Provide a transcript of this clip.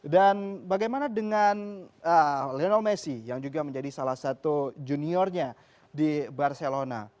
dan bagaimana dengan lionel messi yang juga menjadi salah satu juniornya di barcelona